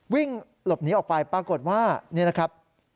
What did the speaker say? วิ่งหลบหนีออกไปปรากฏว่านี่นะครับ